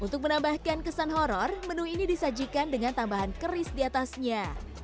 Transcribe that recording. untuk menambahkan kesan horror menu ini disajikan dengan tambahan keris di atasnya